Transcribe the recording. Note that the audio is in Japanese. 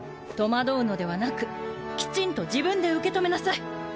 戸惑うのではなくきちんと自分で受け止めなさい。